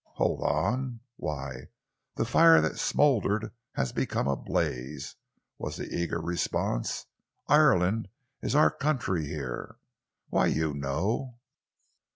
"Hold on? Why, the fire that smouldered has become a blaze," was the eager response. "Ireland is our country here. Why you know?"